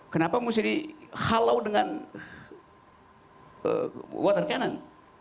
kenapa mesti dihalau dengan water cannon